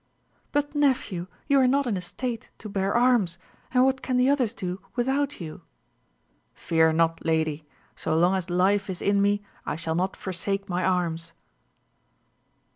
— ^But, nephew, you are not in a state to bear arms, and what can the others do without you ! Fear not, lady, so long as Ufe is in me I shall not forsake my arms.